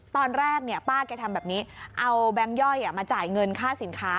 ตอนแรกป้าแกทำแบบนี้เอาแบงค์ย่อยมาจ่ายเงินค่าสินค้า